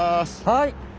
はい。